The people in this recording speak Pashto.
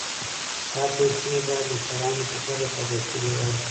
دا پیسې باید مشرانو په ګډه تادیه کړي وای.